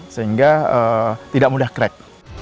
sehingga tidak mudah crack